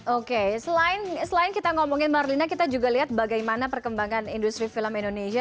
oke selain kita ngomongin marlina kita juga lihat bagaimana perkembangan industri film indonesia